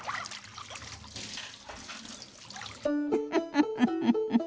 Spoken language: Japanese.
フフフフフ。